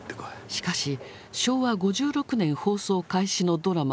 しかし昭和５６年放送開始のドラマ